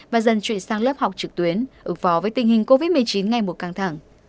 và dần chuyển sang lớp học trực tuyến ứng phó với tình hình covid một mươi chín ngày một căng thẳng